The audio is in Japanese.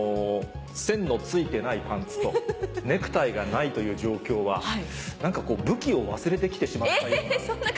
線の付いてないパンツとネクタイがないという状況は何か武器を忘れて来てしまったような。